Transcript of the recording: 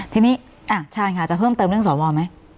ทีนี้ชาญค่ะจะเพิ่มเติมเรื่องสวไหม